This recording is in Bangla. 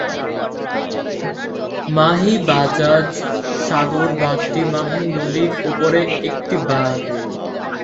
মাহি বাজাজ সাগর বাঁধটি মাহি নদীর ওপরে একটি বাঁধ।